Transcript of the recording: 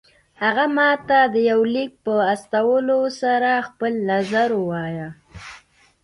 هغه ماته د يوه ليک په استولو سره خپل نظر ووايه.